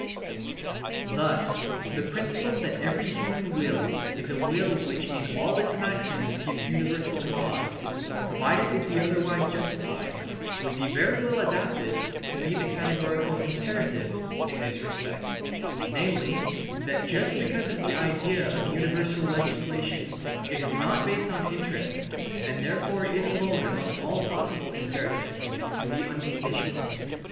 Thus the principle that every human will is a will which in all its maxims gives universal laws, * provided it be otherwise justified, would be very well adapted to be the categorical imperative, in this respect, namely, that just because of the idea of universal legislation it is not based on interest, and therefore it alone among all possible imperatives can be unconditional.